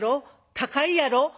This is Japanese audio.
高いやろ」。